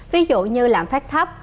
ví dụ như lãng phát thấp